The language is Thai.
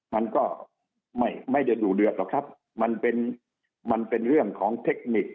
มันก็ไม่ได้ดูเดือดหรอกครับมันเป็นมันเป็นเรื่องของเทคนิค